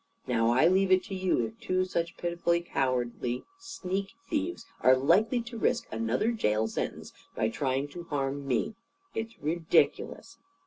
Now, I leave it to you if two such pitifully cowardly sneak thieves are likely to risk another jail sentence by trying to harm me. It's ridiculous.